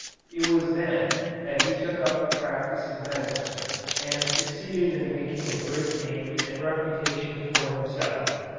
It was then that he took up the practice of medicine and succeeded in making a great name and reputation for himself.